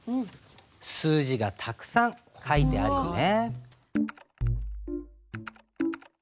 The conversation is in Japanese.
数字がたくさん書いてあるよね。